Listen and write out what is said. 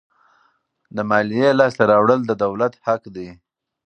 د مالیې لاسته راوړل د دولت حق دی.